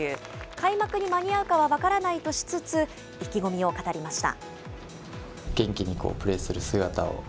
開幕に間に合うかは分からないとしつつ、意気込みを語りました。